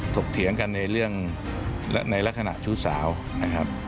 เถียงกันในเรื่องในลักษณะชู้สาวนะครับ